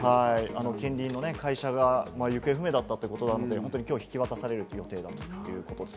近隣の会社が行方不明だったということなので、今日引き渡される予定だということです。